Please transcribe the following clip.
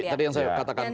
tadi yang saya katakan